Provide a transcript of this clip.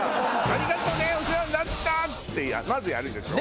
「ありがとうねお世話になった」ってまずやるでしょ。